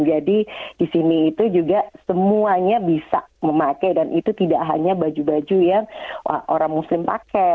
jadi di sini itu juga semuanya bisa memakai dan itu tidak hanya baju baju yang orang muslim pakai